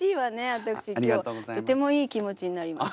私今日とてもいい気持ちになりました。